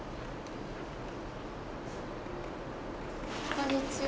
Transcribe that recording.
こんにちは。